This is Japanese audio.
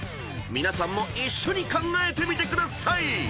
［皆さんも一緒に考えてみてください］